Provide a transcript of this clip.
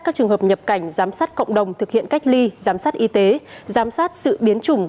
các trường hợp nhập cảnh giám sát cộng đồng thực hiện cách ly giám sát y tế giám sát sự biến chủng